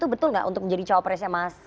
itu betul tidak untuk menjadi capres ya mas